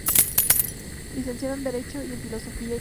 Licenciado en derecho y en filosofía y letras.